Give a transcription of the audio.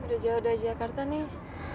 udah jauh dari jakarta nih